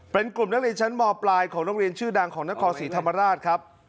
เป็นกลุ่มนักเรียนชั้นมปลายของโรงเรียนชื่อดังของนครศรีธรรมราชครับ